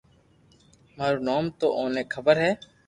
مارو نوم تو اوني خبر ھي